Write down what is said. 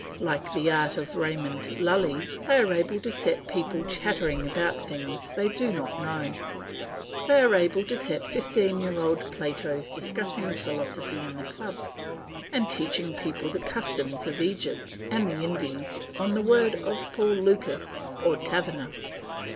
Like the art of Raymond Lully they are able to set people chattering about things they do not know. They are able to set fifteen year old Platos discussing philosophy in the clubs, and teaching people the customs of Egypt and the Indies on the word of Paul Lucas or Tavernier.